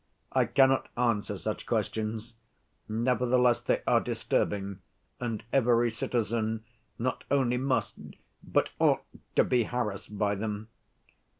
I cannot answer such questions; nevertheless they are disturbing, and every citizen not only must, but ought to be harassed by them.